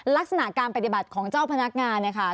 ลักษณะการปฏิบัติของเจ้าพนักงานเนี่ยค่ะ